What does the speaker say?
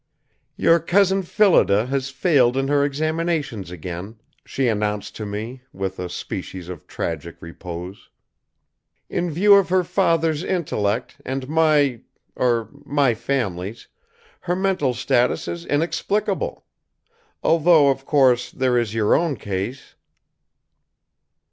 "Your Cousin Phillida has failed in her examinations again," she announced to me, with a species of tragic repose. "In view of her father's intellect and my er my family's, her mental status is inexplicable. Although, of course, there is your own case!"